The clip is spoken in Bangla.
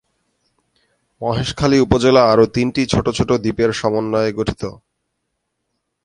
মহেশখালী উপজেলা আরো তিনটি ছোট ছোট দ্বীপের সমন্বয়ে গঠিত।